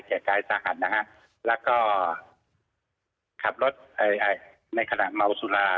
แก่กายสาหัสนะฮะแล้วก็ขับรถในขณะเมาสุรา